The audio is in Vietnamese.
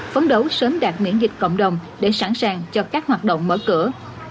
phấn đấu sớm đạt miễn dịch cộng đồng để sẵn sàng cho các hoạt động mở cửa